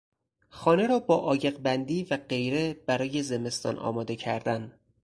خانه را با عایقبندی و غیره برای زمستان آماده کردن